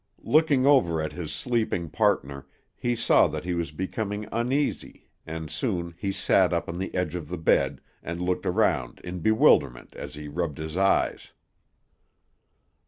Looking over at his sleeping partner, he saw that he was becoming uneasy, and soon he sat up on the edge of the bed, and looked around in bewilderment as he rubbed his eyes.